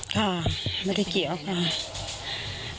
ค่ะไม่ได้เกี่ยวค่ะ